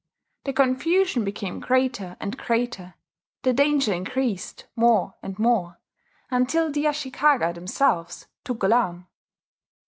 The confusion became greater and greater, the danger increased more and more, until the Ashikaga themselves took alarm.